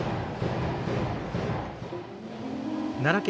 奈良県